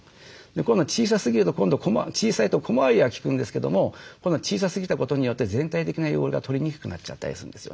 今度は小さすぎると小さいと小回りは利くんですけども今度小さすぎたことによって全体的な汚れが取りにくくなっちゃったりするんですよね。